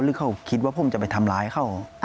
หรือเขาคิดว่าผมจะไปทำร้ายเขา